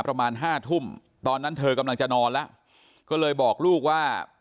ประมาณห้าทุ่มตอนนั้นเธอกำลังจะนอนแล้วก็เลยบอกลูกว่า